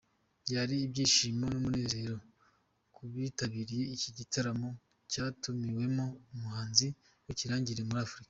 Byari ibyishimo n'umunezero ku bitabiriye iki gitaramo cyatumiwemo umuhanzi w'ikirangirire muri Afrika.